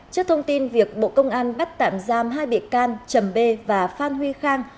trước thông tin việc bộ công an bắt tạm giam hai bị can chầm bê và phan huy khang